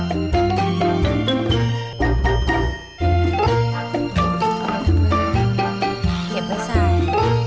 เก็บไว้ใส่